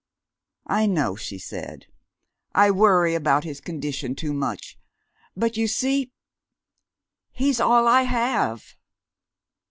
"I know," she said. "I worry about his condition too much. But you see he's all I have....